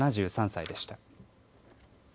７３歳でした。